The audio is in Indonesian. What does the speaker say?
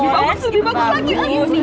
oh lebih bagus lagi